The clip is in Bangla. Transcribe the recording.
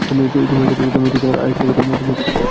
তুমি আর একটি কথাও বলিয়ো না।